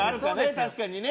確かにね。